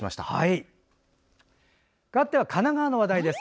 かわっては神奈川の話題です。